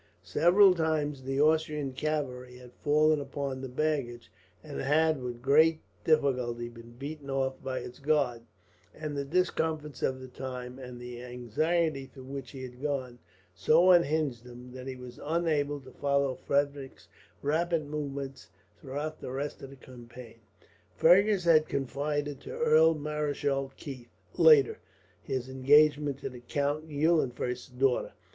Several times the Austrian cavalry had fallen upon the baggage, and had with great difficulty been beaten off by its guard; and the discomforts of the time, and the anxiety through which he had gone, so unhinged him that he was unable to follow Frederick's rapid movements throughout the rest of the campaign. Fergus had confided to Earl Marischal Keith, later, his engagement to the Count Eulenfurst's daughter.